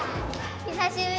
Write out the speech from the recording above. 久しぶり！